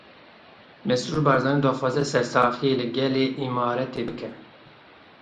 Mesrûr Barzanî daxwaza sersaxiyê li gelê Îmaratê kir.